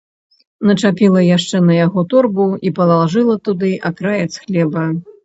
Начапіла яшчэ на яго торбу і палажыла туды акраец хлеба.